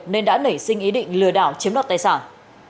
nên đã nảy sinh ý định lừa đảo chiếm đoạt tài sản